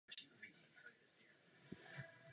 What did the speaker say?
Skladbu napsal Lou Reed a v původní verzi ji zpívá Nico.